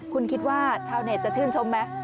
คุณคิดว่าชาวเน็ตจะชื่นชมไหม